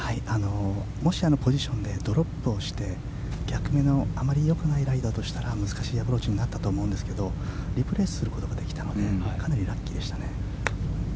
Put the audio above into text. もしポジションでドロップをして逆目のあまりよくないライだとしたら難しいアプローチになったと思うんですがリプレースすることができたのでかなりラッキーでしたね。